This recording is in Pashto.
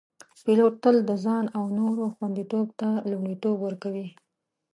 پیلوټ تل د ځان او نورو خوندیتوب ته لومړیتوب ورکوي.